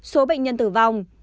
số bệnh nhân tử vong